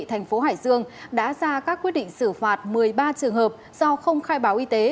thành phố hải dương đã ra các quyết định xử phạt một mươi ba trường hợp do không khai báo y tế